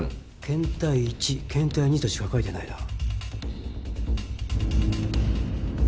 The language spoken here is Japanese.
検体１検体２としか書いてないな。